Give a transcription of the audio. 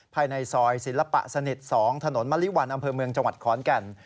ภายในซอยศิลปะสนิท๒ถนนมะลิวันอำเภอเมืองจังหวัดขอนแก่น